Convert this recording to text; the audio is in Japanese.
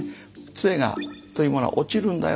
つえというものが落ちるんだよ。